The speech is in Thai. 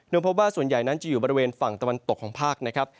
โดยพบว่าส่วนใหญ่นั้นจะอยู่บริเวณฝั่งตะวันตกของภาคนะครับ